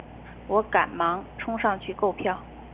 我赶忙冲上去购票